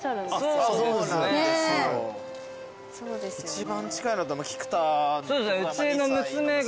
一番近いのは菊田。